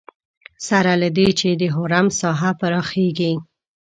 سره له دې چې د حرم ساحه پراخېږي.